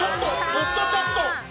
ちょっとちょっと！！